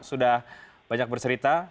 sudah banyak bercerita